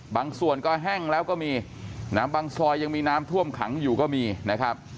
บางส่วนก็แห้งแล้วก็มีนะบางซอยยังมีน้ำท่วมขังอยู่ก็มีนะครับ